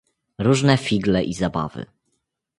"Różne figle i zabawy."